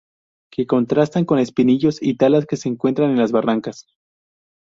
Que contrastan con espinillos y talas que se encuentran en las barrancas.